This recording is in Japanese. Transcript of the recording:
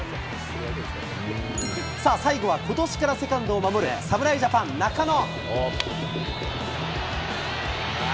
さあ、最後は今年からセカンドを守る、侍ジャパン、中野。